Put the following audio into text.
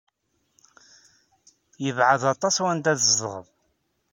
Yebɛed aṭas wanda ay tzedɣed.